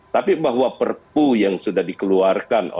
tapi bahwa perpu yang setuju kita harus setuju